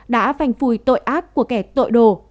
đã phanh phùi tội ác của kẻ tội đồ